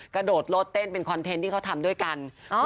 กระโดดรถเต้นเป็นคอนเทนต์ที่เขาทำด้วยกัน